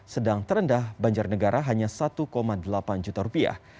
sedang terendah banjar negara hanya satu delapan juta rupiah